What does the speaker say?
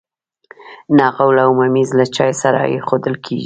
نقل او ممیز له چای سره ایښودل کیږي.